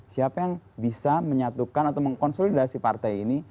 siapa yang bisa menyatukan atau mengkonsolidasi partai ini